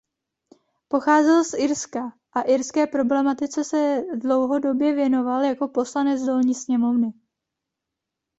Pocházel z Irska a irské problematice se dlouhodobě věnoval jako poslanec Dolní sněmovny.